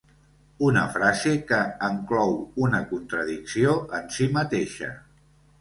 Una frase que enclou una contradicció en si mateixa.